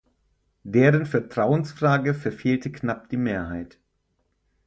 Deren Vertrauensfrage verfehlte knapp die Mehrheit.